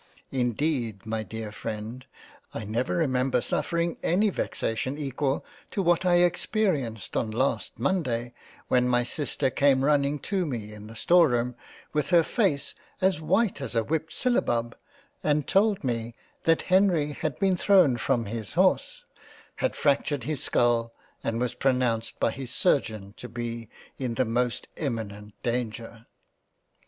Indeed my dear Freind, I never remember suffering any vexation equal to what I experienced on last Monday when my sister came running to me in the store room with her face as White as a Whipt syllabub, and told me that Hervey had been thrown from his Horse, had fractured his Scull and was pronounced by his surgeon to be in the most emminent Danger.